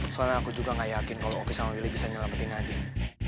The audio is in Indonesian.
soalnya aku juga gak yakin kalo oki sama willy bisa nyelamatin nadine